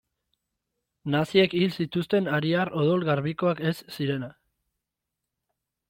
Naziek hil zituzten ariar odol garbikoak ez zirenak.